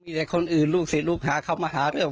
มีแต่คนอื่นลูกศิษย์ลูกหาเข้ามาหาเรื่อง